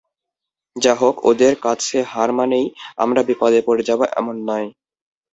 যাহোক, ওদের কাছে হার মানেই আমরা বাদ পড়ে যাব, এমন নয়।